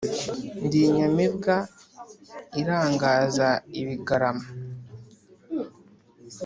Ndi inyamibwa irangaza ibigarama